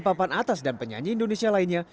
papan atas dan penyanyi indonesia lainnya